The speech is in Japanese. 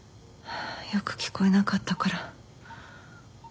よく聞こえなかったから。